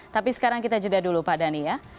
tapi sekarang kita jeda dulu pak dhani ya